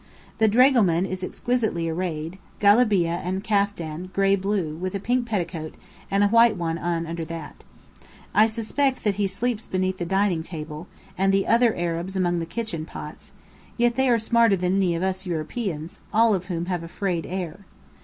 The dragoman is exquisitely arrayed, galabeah and kaftan gray blue, with a pink petticoat, and a white one under that. I suspect that he sleeps beneath the dining table and the other Arabs among the kitchen pots yet they are smarter than any of us Europeans, all of whom have a frayed air.